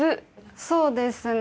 そうですね。